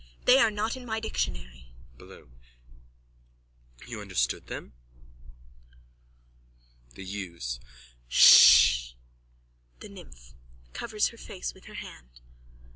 They are not in my dictionary. BLOOM: You understood them? THE YEWS: Ssh! THE NYMPH: _(Covers her face with her hands.)